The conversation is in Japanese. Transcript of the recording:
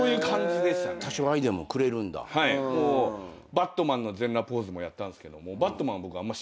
バットマンの全裸ポーズもやったんすけど。